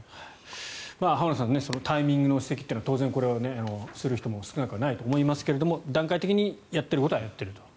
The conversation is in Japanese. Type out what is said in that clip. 浜田さんタイミングの指摘というのは当然する人は少なくないと思いますが段階的にやっていることはやっていると。